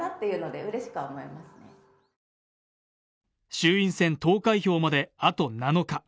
衆院選投開票まであと７日。